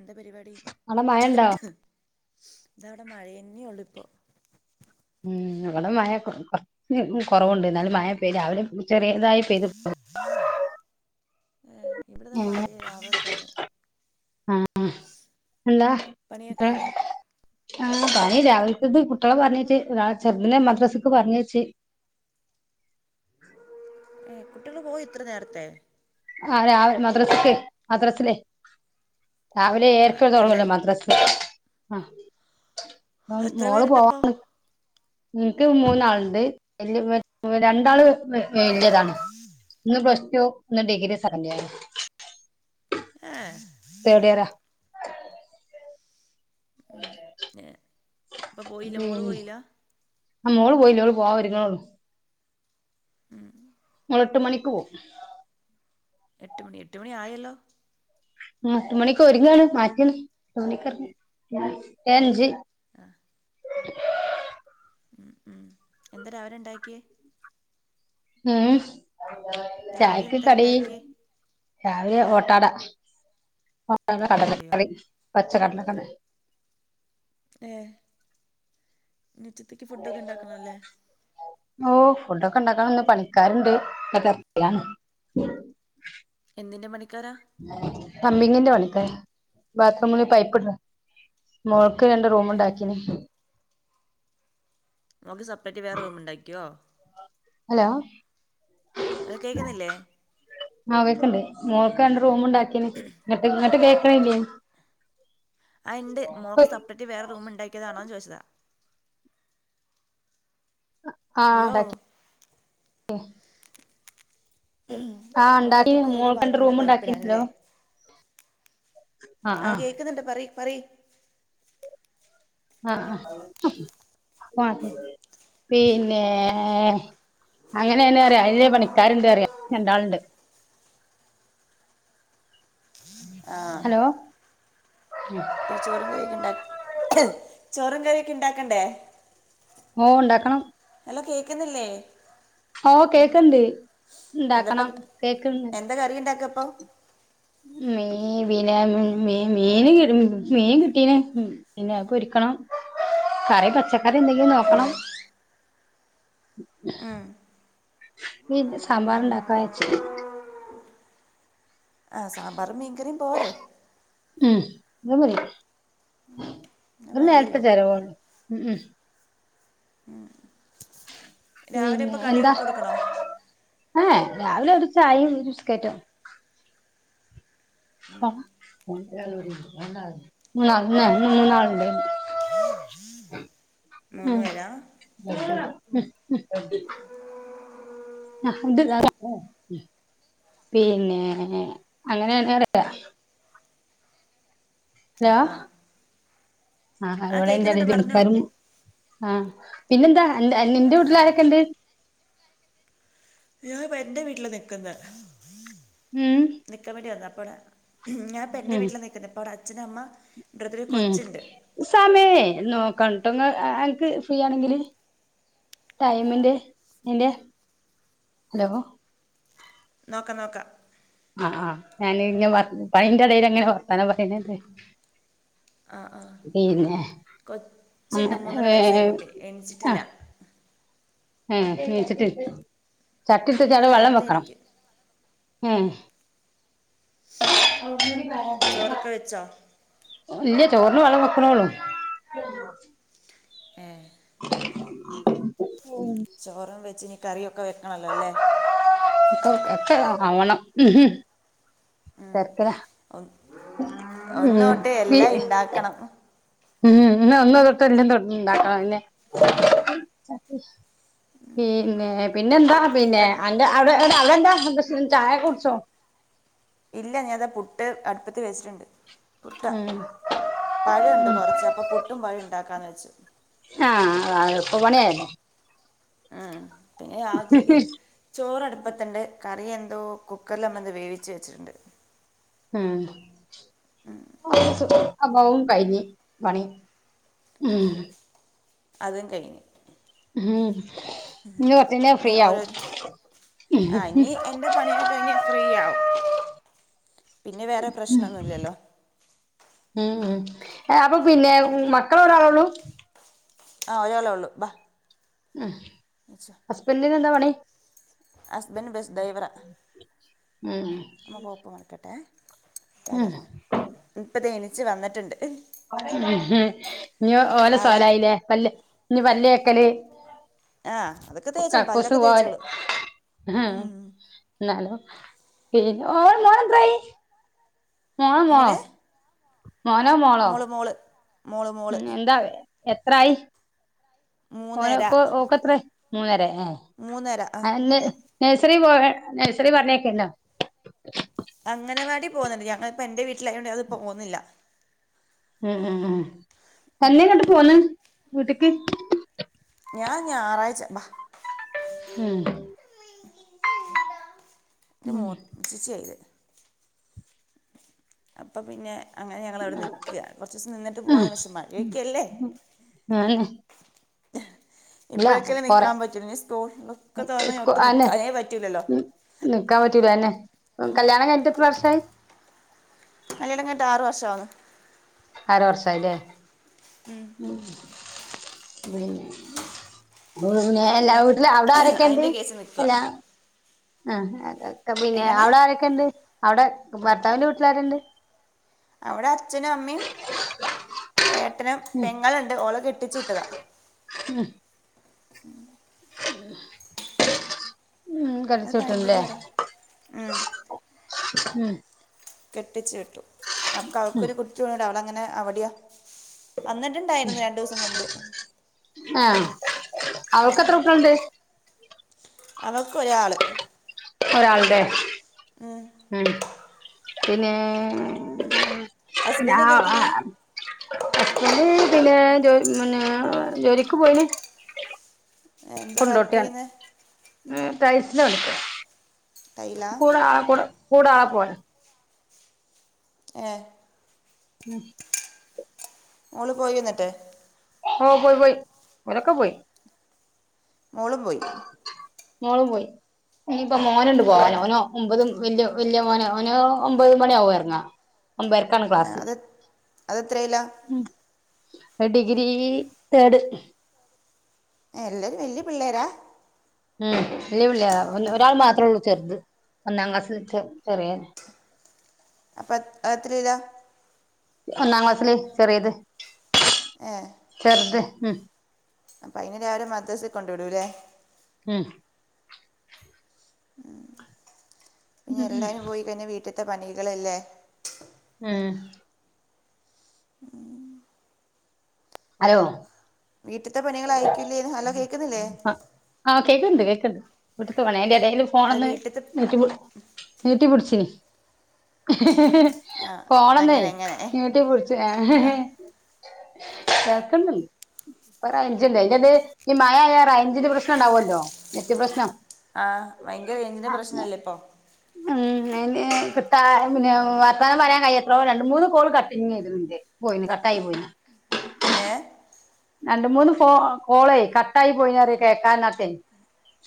എന്താ പരിപാടി അവിടെ മഴ ഉണ്ടോ ഇതാ വടെ മഴ ന്നെ ഒള്ളു ഇപ്പൊ ഉം ഇവടെ മഴ കൊർ കൊർച്ച് കൊറവുണ്ട് ന്നാലും മഴ പെയ്തു രാവിലെ ചെറീതായി പെയ്തു [unintelligible] ഏ ഇവട താ മഴയാ രാവിലെ തന്നെ ആ അല്ലാ പണിയൊക്കെ എ കഴിഞ്ഞോ ആ പണി രാവിൽകത്ത കുട്ടിയളെ പർഞയ്ച്ച് രാ ചെർതിനെ മദ്രാസ്ക്ക് പർഞ്ഞയ്ച്ച് ഏ കുട്ടിയള് പോയൊ ഇത്ര നേർത്തെ ആ രാവ് മദ്രസക്ക് മദ്രാസ് ലെ രാവിലെ ആഹ് ഏര്ക്ക് തൊടങ്ങല്ലോ എല്ലാരും മദ്രാസ് ആഹ് അപ്പം എത്ര മോള് പേരുണ്ടപ്പോ പോവാൻ എൻക്ക് മൂന്നാള്ണ്ട് [unintelligible] രണ്ടാള് വെ വെല്യതാണ് ന്ന് പ്ലസ് ടു ന്ന് ഡിഗ്രി സെക്കൻഡ് യേണ് ഏഹ് തേഡിയറാ ഏ ഉം ആ മോള് പോയില്ലോള് പോവാ ഒരുങ്ങണെ ഒള്ളു ഉം ഓളെട്ട് മണിക്ക് പോവും എട്ട് മണി എട്ട് മണി ആയല്ലോ ആ ഏട്ടുമണിക്ക് ഒരുങ്ങാണ് മാറ്റാണ് [unintelligible] ഏ അഞ്ച് ആഹ് ഉം ഉം എന്താ രാവിലെണ്ടാക്കിയേ ഏഹ് രാവിലെ ചായക്ക് എന്താ കടി ഉണ്ടാക്കിയേ രാവിലെ ഓട്ടാട [unintelligible] ഓട്ടടയോ കടലക്കറി പച്ച കടലക്കറി ഏഹ് നി ഉച്ചത്തേക്ക് ഫുഡൊക്കെ ഉണ്ടാക്കണല്ലേ ഓ ഫുഡൊക്കെണ്ടാക്കണം ഇന്ന് പണിക്കാരുണ്ട് [unintelligible] എന്തിൻ്റെ പണിക്കാരാ പമ്പിങ്ങിന്റെ പണിക്കാര് ബാത്റൂമില് പൈപ്പ് ഇട് മോൾക്ക് രണ്ട് റൂമ് ഉണ്ടാക്കിനി മോക്ക് സപ്പറേറ്റ് വേറെ റൂമ്ണ്ടാക്കിയോ ഹലോ അത് കേക്കുന്നില്ലേ ആഹ് കേക്ക്ണ്ട് മോൾക്ക് രണ്ട് റൂമുണ്ടാക്കീന് ഇങ്ങട്ട് ഇങ്ങട്ട് കേക്കണില്ലേ ആഹ് ഇണ്ട് മോക്ക് സപ്പറേറ്റ് വേറെ റൂമ്ണ്ടാക്കിയതാണോന്ന് ചോയിച്ചതാ ആഹ് ഹലോ ഉം ആ ഉണ്ടാക്കി ഇണ്ടാക്ക്യപ്പയിലേക്ക് മോൾക്ക് രണ്ട് ബാത്റൂമിന്റെ റൂം ഉണ്ടാക്കി ഹലോ പൈപ്പിടാനില്ലേ ആ ആ ആഹ് കേക്കുന്ന്ണ്ട് പറയ് പറയ് ആഹ് ആഹ് പിന്നെ അങ്ങനെ തന്നെറയാ അയില് പണിക്കാരുണ്ട്റയാ രണ്ടാള്ണ്ട് ആ ഹലോ ഇ ചോറും കറിയൊക്കെണ്ടാ ചോറും കറിയൊക്കെ ഇണ്ടാക്കണ്ടേ ഓ ണ്ടാക്കണം ഹലോ കേക്കുന്നില്ലേ ഓ കേക്ക്ണ്ട് എന്താപ്പ ഉണ്ടാക്കണം കേക്ക്ണ്ട് എന്താ കറി ഇണ്ടാക്കപ്പൊ മീ മീ പിന്നെ മീ മീന് മീൻ കിട്ടീന് പിന്നെ അ പൊരിക്കണം കറി പച്ചക്കറി ന്തെങ്കിലും നോക്കണം ഉം ഉം ഞ്ഞിന്ന് സാമ്പാറ്ണ്ടാക്കാവെച്ച് ആഹ് സാമ്പാറും മീൻകറിം പോരെ ഉം [unintelligible] അത് ഒര് നേരത്തെ മതിയല്ലോ ചെലവോള്ളു മ്ഹ് രാവിലെ പിന്നെ ഇപ്പൊ എന്താ കടിയൊക്കെ കൊടുക്കണോ ഏഹ് രാവിലെ ഒരു ചായേം ബിസ്കറ്റും [unintelligible] മൂന്നാൾ മൂന്നാൾ മുമൂന്നാളുണ്ട് മൂന്ന് ന്ന് പേരാ ഉം ഉം ഉം [unintelligible] പിന്നെ അങ്ങനന്നെറയാ ആ അലോ ആ ആഹ് ആ ഇവിടെ കേൾക്കുന്നുണ്ട് അയിന്റെടേല് പറഞ്ഞോ പണിക്കാരും ആഹ് പിന്നെന്താ അന്റെ നിന്റെ വീട്ടിലാരെക്കെണ്ട് ഞാൻ ഇപ്പൊ എന്റെ വീട്ടിലാ നിക്ക്ന്നേ ഉം നിക്കാൻ വേണ്ടി വെന്നാ അപ്പവ്ടെ ഞാൻ ഇപ്പ എന്റെ ഉം വീട്ടിലാ നിക്ക്ന്നെ ഇപ്പവ്ടെ അച്ഛന് അമ്മ ഇവിടുത്തെ ഒരു ഉം കൊച്ചുണ്ട് സമയേ നോക്കണട്ടൊ ഇങ്ങ അനക്ക് ഫ്രീ ആണെങ്കില് ടൈമിന്റെ യിന്റെ ഹലോ നോക്കാ നോക്കാ ആഹ് ആഹ് ഞാന് ഇഞ്ഞ് മറന്ന് പണിന്റെടേല് അങ്ങനെ വർത്താനം പറീണല്ലേ ആഹ് ആഹ് ഏ കൊച്ച്ണ്ട് മൂന്നര വയസ്സായ കുട്ടി എണിച്ചിട്ടില്ല ഏഹ് നീച്ചിട്ടില് ചട്ടി ഇട്ത്തിട്ട് ഇന്ന് അവ്ടെ വെള്ളം നേരത്തെ വെക്കണം എനിക്ക് ഉം ചോറൊക്കെ വെച്ചോ ഇല്ല്യ ചോറിന് വള്ളം വെക്ക്ണോള്ളൂ ഏ ഉം ചോറും വെച്ച് ഇനി കറിയൊക്കെ വെക്കണല്ലോ ല്ലേ ഇപ്പൊ ഒക്കെ ആവണം ഉം ഹും തെരക്കിലാ ഒന്ന് ഒന്ന് തോട്ട് പി എല്ലാ ഇണ്ടാക്കണം ഉം ഇന്ന് ഒന്നു തൊട്ട് എല്ലം തൊടങ്ങി ഇണ്ടാക്കണം അതെന്നെ പിന്നെ പിന്നെന്താ പിന്നെ പൺ അന്റെ അവിടെവിടെ അവിടെ എന്താ [unintelligible] ചായൊക്കെ കുടിച്ചോ ഇല്ല ഞാനിതാ പുട്ട് അട്പ്പത്ത് വെച്ചിട്ട്ണ്ട് പുട്ടാ ഉം പഴണ്ട് കൊറച്ച് അപ്പം പുട്ടും പഴോ ഉണ്ടാക്കാന്ന് വെച്ചു ആഹ് അത് എള്പ്പ പണി ആയല്ലോ ആഹ് പിന്നെ രാവ്ത്തേക്ക് ചോറ് അട്പ്പത്ത്ണ്ട് കറി എന്തോ കുക്കറിലമ്മന്തോ വേവിച്ച് വെച്ചിട്ട്ണ്ട് ഉം ആഹ് അപ്പതും കഴിഞ്ഞ് പണി ഉം അതും കഴിഞ്ഞ് ഉം ഇന്ന് കൊറച്ചഴിഞ്ഞാ ഇനി ഫ്രീ ആവും ഓരോര് ആഹ് ഇനി എന്റെ പണിയൊക്കെ കഴിഞ്ഞ് ഫ്രീയാവും പിന്നെ വേറെ പ്രശ്നൊന്നുല്ലല്ലോ ഉം ഉം അപ്പൊ പിന്നെ മക്കള് ഒരാളോള്ളു ആഹ് ഒരാളോള്ളൂ ബാ ഉം ഹസ്ബന്റിന് എന്താ പണി ഹസ്ബെന്റ് ബെസ്സ് ഡൈവറാ ഉം താഴെ ഉം എറങ്ങ് ഇപ്പതാ എണീച്ച് വന്നിട്ട്ണ്ട് ഉം ഇഞ്ഞ് ഓലെ സാധനം സോലായില്ലേ പല്ല് ഇഞ്ഞ് പല്ലേക്കല് ആ അതൊക്കെ തേച്ചോളൂ കക്കൂസ് പല്ലൊക്കെ പോവാന് തേച്ചോളൂ ആഹ് ഇന്നാലും പി ഓൾ മോനെത്രായി മോളോ മോ എങ്ങനെ മോനാ മോളാ മോള് മോള് മോള് മോള് ഉം എന്താ എത്രായി മൂന്നര ഓന്ക്ക് ഓക്കെത്രേ മൂന്നരെ ഏഹ് മൂന്നര ആ [unintelligible] നെഴ്റി പോവെ നെഴ്സറി പറ്ഞ്ഞേക്കെണ്ടോ അങ്ങനവാടി പോവ്ന്നുണ്ട് ഞങ്ങളിപ്പോ എന്റെ വീട്ടിലായോണ്ട് അത് പോകുന്നില്ല ഉം ഉം ഉം എന്നെ ഇങ്ങട്ട് പോന്ന് വീട്ട്ക്ക് ഞാൻ ഞായറാഴ്ച്ച ഉം ഉ ഉ ഉം ഇന്റെ [unintelligible] അപ്പം പിന്നെ അങ്ങനെ ഞങ്ങളവിടെ നിക്കാ കുറച്ചു ദിവസം നിന്നി്ട്ട് പോവാന്ന് പക്ഷെ മഴഒക്കെ ആല്ലേ നല്ല ഇപ്പോഴൊക്കല്ലേ കൊറെ നിൽക്കാൻ പറ്റൂ ഇനി സ്കൂൾ ഒക്കെ തുറന്നാ ഒട്ടും അന്നെ നിക്കക്കാനേ പറ്റൂല്ലല്ലോ നിക്കാൻ പറ്റൂല അല്ലെ കല്യാണം കഴിഞ്ഞട്ടത്ര വർഷ്യയി കല്യാണം കഴിഞ്ഞിട്ട് ആറ് വർഷം ആവണ്‌ ആറ് വർഷയി ആല്ലേ ഉം ഇവിടുന്നെ ഞാൻ അപ്പം എല്ലാ പിന്നെ വീട്ടില അവിടെ ആരൊക്കണ്ട് അതിൻ്റെ കേസ് നിൽക്കുക അല്ല ആ അതൊക്കെ പിന്നെ എങ്ങനെ അവിടെ ആരൊക്കെ ഉണ്ട് അവിടെ ഭർത്താവിന്റെ വീട്ടിലാരുണ്ട് അവിടെ അച്ഛനും അമ്മയും ഏട്ടനും പെങ്ങളുണ്ട് ഓള കെട്ടിച്ചിട്ടതാ ഉം ഉം അത് കെടിച്ചിട്ടു വിട്ടാല്ലേ പഴംപൊരി വരാം ഉം കെട്ടിച്ചു വിട്ടു അപ്പൊ അവക്കൊരു കുച്ച്ണ്ട് അപ്പൊ അവള അങ്ങനെ അവിടെയാ വന്നിട്ടുണ്ട ഉം അവക്ക് എത്ര കുട്ടികളുണ്ട് അവൾക്കൊരാ ഒരാൾടെ ആഹ് ആണ് പിന്നെ ഞാ ഹസ്ബൻഡ് എന്തെടുക്കുന്നെ ഹസ്ബൻഡ് പിന്നെ ജോലി പിന്നെ ജോലിക്ക് പോയിന് എന്താ വർക്ക് കൊണ്ടോട്ടിയാണ് ചെയ്യുന്നെ ഉം ടൈസിന്റെ പണി ഒക്കെ ടൈലാ കൂടാ ആ കൂടെ കൂടാ പോയെ ഏഹ് ഉം ഓള് പോയൊ എന്നിട്ട് ഓ പോയി പോയി ഓലൊക്കെ പോയി മോളും പോയി മോളും പോയി ഇനിപ്പോ മോനണ്ട് പോവാനോ ഒനോ ഒമ്പതും വല്യ വല്യ മോന ഒനോ ഒമ്പത് മണിയ ആവും ഇറങ്ങാൻ ഒമ്പരക്കാണ് ക്ലാസ്സ്‌ അത്എത്രില്ല ഉം ഡിഗ്രി തേഡ് എല്ലാരും വലിയ പിള്ളേരാ ഉം ഇല്ലി ഇല്ല ഒ ഒരാൾ മാത്ര ഉള്ളൂ ചെറുത് ഒന്നാം ക്ലാസ്സിെ ചെ ചെറിയെ അപ്പെ എത്രിലാ? ഒന്നാം ക്ലാസ്സില് ചെറിയത് ഏഹ് ചെർത് ഉം അപ്പൊ അയിനെരാവിലെ മദ്രസിൽ കൊണ്ടു വിടുല്ലേ ഉം ഉം പിന്നെ എല്ലാവരും പോയി കഴിഞ്ഞ വീട്ടത്തെ പണികളല്ലേ ഉം ഹലോ വീട്ടിത്തെ പണികൾ അയക്കൂല്ലേന്ന് ഹലോ കേക്കുന്നില്ലേ? ആ കേക്ക്ണ്ട് കേക്ക്ണ്ട് വീട്ടിതെ പണി അയിന്റെ എടേൽ അല്ല ഫോണോന്ന് വീട്ടിലത്തെ നീട്ടി പി നീട്ടി പിടിച്ചേ ആ ഫോണോന്ന് അങ്ങനെ അങ്ങനെ നീട്ടി പിടിച് ആ തിരക്കൊന്നുല്ല അപ്പ റൈഞ്ചില്ല അയിൻ്റെടാൽ ഈ മഴായ റൈഞ്ചിന്റ് പ്രശ്നം ഉണ്ടാവുല്ലോ നെറ്റ് പ്രശ്നം ആഹ് ഭയങ്കര റേഞ്ചിൻ്റെ പ്രശ്നല്ലേ ഇപ്പൊ ഏഹ്കിട്ടാ പിന്നെ വർത്താനം പറയാൻ കഴിയ എത്രയോ രണ്ട് മൂന്ന് കോൾ കട്ടിങ്ങ് ചെയ്തത്ണ്ട് പോയി കട്ടായി പോയി ഏഹ് രണ്ട് മൂന്ന് ഫോ കോളോ കട്ടായി പോയിഞ്ഞറി കേൾക്കാനത്തെ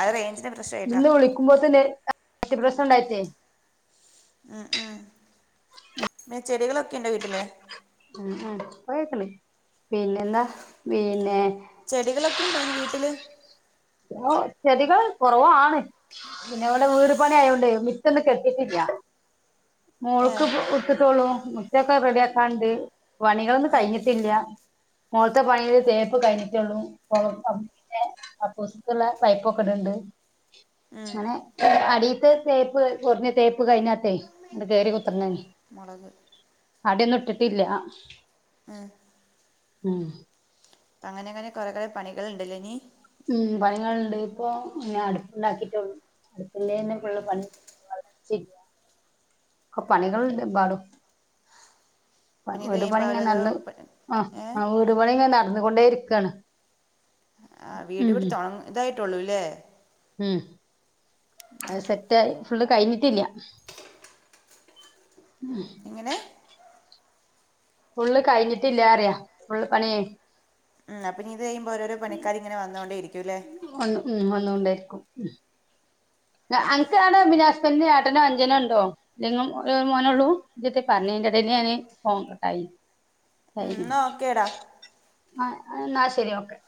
അത് റേഞ്ചിൻ്റെ പ്രശ്നമായിട്ടാ ഇന്ന് വിളിക്കുമ്പോ തന്നെ അത് നെറ്റ് പ്രശ്നം ണ്ടായിട്ടേ അ ആ ഉം പിന്നെ ചെടികളൊക്കെ ണ്ടോ വീട്ടില്? ഉ ഇപ്പൊ കേക്ണ പിന്നെന്താ പിന്നെ ചെടികളൊക്കെ ഉണ്ടോന്ന് വീട്ടില്? ഓ ചെടികൾ കുറവാണ് പിന്നെ വിടെ വീട് പണി ആയോണ്ട് മിറ്റ ഒന്ന് കെട്ടിട്ടില്ല ഏ മോൾക്ക് ഇട്ടിട്ടോളൂ മിറ്റെക്കെ റെഡിയ ആക്കാണ്ട് പണികളൊന്നും കഴിഞ്ഞിട്ടില്ല. മോള് ത്തെ പണീൽ തേപ്പ് കഴിഞ്ഞിട്ടുള്ളൂ [unintelligible] അപ്പപിന്നെ കക്കൂസ് ക്കുള്ള പൈപ്പക്കെടെണ്ട് ഉം, അങ്ങനെ അടീത്ത് തേപ്പ് കുറഞ്ഞ തേപ്പ് കഴിഞ്ഞാത്തേ ട്ട് കേറി കുത്തർ ന്നേനി മുളക് അടിയോന്നും ഇട്ടിട്ടില്ല ഉം. ഉം അങ്ങനെ ങ്ങനെ കുറെേകൾ പണികൾ ണ്ടല്ലേ ഇനി ഉം പണികൾണ്ട് ഇപ്പൊ ഇങ്ങ അടുപ്പുണ്ടാക്കിട്ടുള്ളു. അടുപ്പില്ലേന്ന ഫുൾപണി [unintelligible] പണികൾ ണ്ട് എമ്പാടും ആ പിന്നെ ഇത് വീട് കഴിയുമ്പോൾ പണിഇങ്ങെനെ ഓരോരോ നടന്ന് പ- ആ ഏ ആ് വീട്പണി ഇങ്ങെ നടന്നുകൊണ്ടേ ഇരിക്കാണ് ആ വീട് ഉം ഇവിടെ തുട ഇതായിട്ടുള്ളൂല്ലേ? ഉം അ സെറ്റ്ായി ഫുള്ള് കഴിഞ്ഞിട്ടില്ല [inaudible] ഇങ്ങനെ ഫുള്ള് കഴിഞ്ഞിട്ടില്ലാറയാ ഫുള്ള് പണിയേ ഉം അപ്പ ഇനീത് കയിമ്പോ ഓരോ പണിക്കാരി ഇങ്ങെ വന്ന് കൊണ്ടേ ഇരിക്കുല്ലേ ഒന്ന് മ് വന്നുകൊണ്ടേയിരിക്കും ഉ അന്ക്ക് ആടെ പിന്നെ ഹസ്ബൻ്റിന്ഏട്ടനെ അന്ജനോണ്ടോ? ഇജ്ജെന്നു മോനോള്ളൂ ഇജന്തേ പറഞ്ഞീന്നു ഇടേൽ ഫോൺ കട്ടായി. ഉം, കഴിഞ്ഞു എന്നാ ഓക്കേടാ ആ എന്നാ ശരി ഓക്കെ